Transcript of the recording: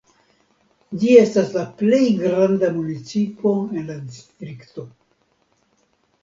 Ĝi estas la plej granda municipo en la distrikto.